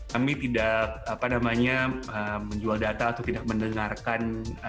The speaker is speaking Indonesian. kami tidak apa namanya menjual data atau tidak mendengarkan